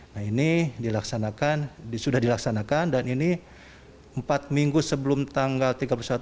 nah ini sudah dilaksanakan dan ini empat minggu sebelum tanggal tiga puluh satu